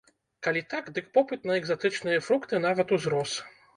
Калі так, дык попыт на экзатычныя фрукты нават узрос!